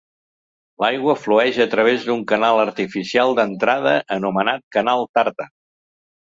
L'aigua flueix a través d'un canal artificial d'entrada anomenat Canal Tharthar.